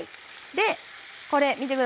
でこれ見て下さい。